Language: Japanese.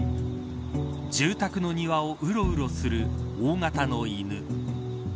住宅の庭をうろうろする大型の犬。